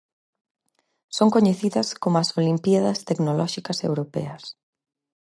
Son coñecidas coma as "olimpíadas tecnolóxicas europeas".